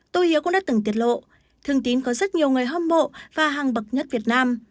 tô hiếu cũng đã từng tiết lộ thường tín có rất nhiều người hâm mộ và hàng bậc nhất việt nam